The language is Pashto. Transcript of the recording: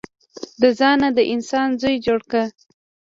د ځانه د انسان زوی جوړ که.